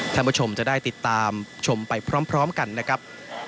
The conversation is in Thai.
ท่านผู้ชมจะได้ติดตามชมไปพร้อมกันนะครับ